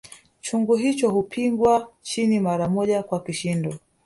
Chungu hicho hupigwa chini mara moja kwa kishindo